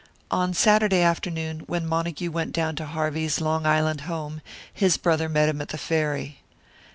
On Saturday afternoon, when Montague went down to Harvey's Long Island home, his brother met him at the ferry.